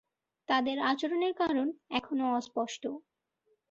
তাদের আচরণের কারণ এখনও অস্পষ্ট।